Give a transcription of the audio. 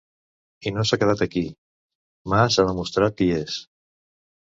I no s’ha quedat aquí: Mas ha demostrat qui és.